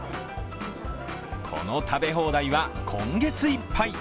この食べ放題は今月いっぱい。